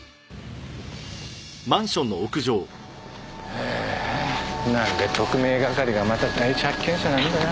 ああなんで特命係がまた第一発見者なんだよ。